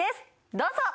どうぞ。